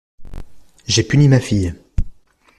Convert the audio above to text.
J'ai puni ma fille.